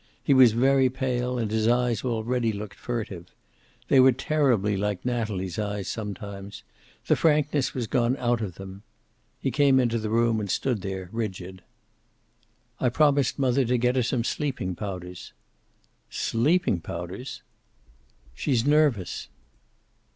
He was very pale and his eyes already looked furtive. They were terribly like Natalie's eyes sometimes. The frankness was gone out of them. He came into the room, and stood there, rigid. "I promised mother to get her some sleeping powders." "Sleeping powders!" "She's nervous."